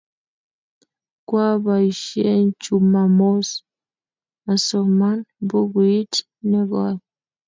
Kwapaisyen Chumamos asoman bukuit nekoiy.